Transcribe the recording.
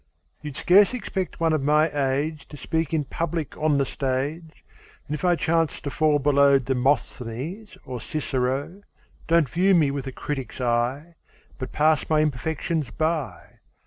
YOU'D scarce expect one of my age To speak in public on the stage, And if I chance to fall below Demosthenes or Cicero, Don't view me with a critic's eye, But pass my imperfections by.